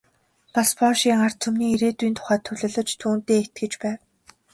Бас польшийн ард түмний ирээдүйн тухай төлөвлөж, түүндээ итгэж байв.